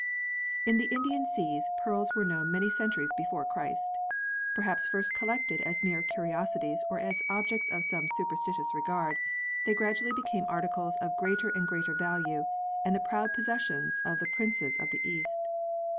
In the Indian Seas pearls were known many centuries before Christ. Perhaps first collected as mere curiosities or as objects of some superstitious regard, they gradually became articles of greater and greater value, and the proud possessions of the Princes of the East.